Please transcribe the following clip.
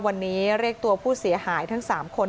วันนี้เรียกตัวผู้เสียหายทั้ง๓คน